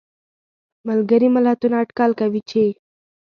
ملګري ملتونه اټکل کوي چې